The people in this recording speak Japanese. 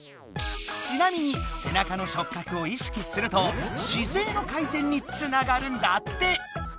ちなみに背中の触覚を意識すると姿勢の改善につながるんだって！